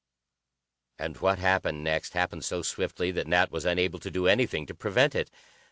And what happened next happened so swiftly that Nat was unable to do anything to prevent it.